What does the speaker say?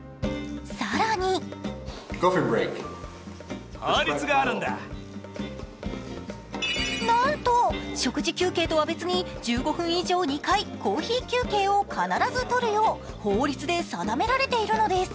更になんと食事休憩とは別に１５分以上、２回、コーヒー休憩を必ずとるよう法律で定められているのです。